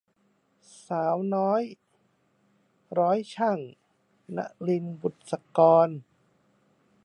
สาวน้อยร้อยชั่ง - นลิน บุษกร